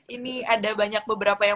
ini ada banyak beberapa yang